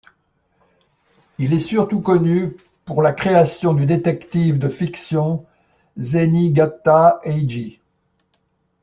Il est surtout connu pour la création du détective de fiction Zenigata Heiji.